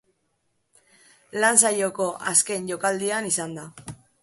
Lan saioko azken jokaldian izan da.